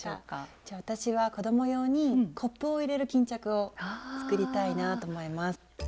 じゃあ私は子ども用にコップを入れる巾着を作りたいなぁと思います。